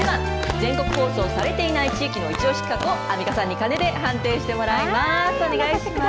全国放送されていない自慢の一押し企画をアンミカさんに鐘で判定していただきます。